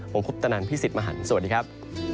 ผมคุปตนันพี่สิทธิ์มหันฯสวัสดีครับ